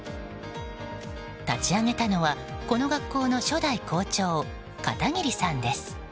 立ち上げたのはこの学校の初代校長片桐さんです。